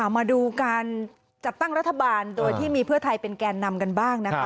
มาดูการจัดตั้งรัฐบาลโดยที่มีเพื่อไทยเป็นแกนนำกันบ้างนะคะ